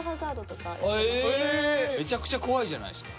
めちゃくちゃ怖いじゃないですか。